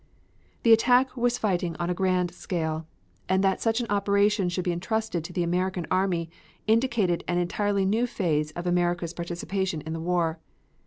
The attack was fighting on a grand scale, and that such an operation should be intrusted to the American army indicated an entirely new phase of America's participation in the war.